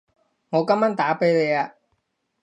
我今晚打畀你吖